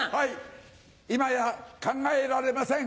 今や考えられません。